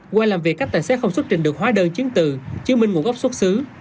qua làm việc các tài xế không xuất trình được hóa đơn chứng tự chứa minh ngụ gốc xuất xứ